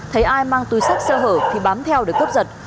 thấy ai mang túi sách sơ hở thì bám theo để cướp giật